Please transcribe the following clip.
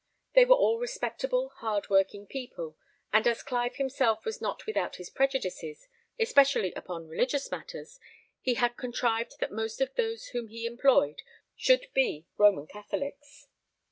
They were all respectable, hard working people; and as Clive himself was not without his prejudices, especially upon religious matters, he had contrived that most of those whom he employed should be Roman Catholics.